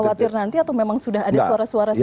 khawatir nanti atau memang sudah ada suara suara seperti itu